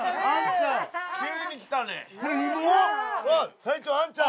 隊長アンちゃん。